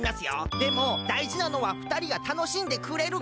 でもだいじなのはふたりがたのしんでくれるかですよね。